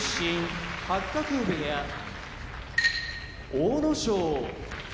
阿武咲